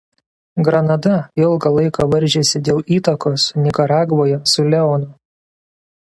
Granada ilgą laiką varžėsi dėl įtakos Nikaragvoje su Leonu.